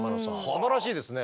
すばらしいですね。